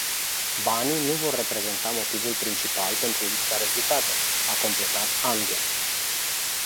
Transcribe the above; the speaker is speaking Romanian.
Banii nu vor reprezenta motivul principal pentru lipsa rezultatelor, a completat Anghel.